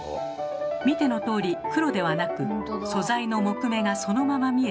見てのとおり黒ではなく素材の木目がそのまま見えています。